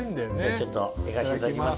ちょっと焼かしていただきます。